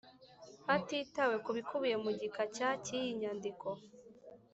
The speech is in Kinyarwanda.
Hatitawe ku bikubiye mu gika cya cy iyi nyandiko